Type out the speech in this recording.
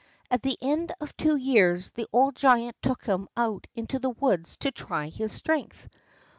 At the end of two years the old giant took him out into the woods to try his strength.